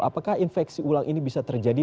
apakah infeksi ulang ini bisa terjadi